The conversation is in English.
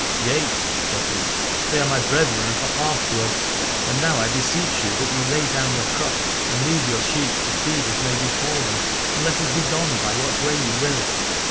Yea, said he, they are my brethren of the half blood. And now I beseech you that you lay down your crook and leave your sheep to feed as may befall them, and let us begone by what way you will.